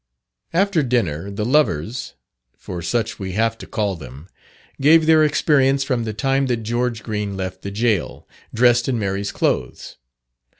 After dinner the lovers (for such we have to call them) gave their experience from the time that George Green left the gaol, dressed in Mary's clothes.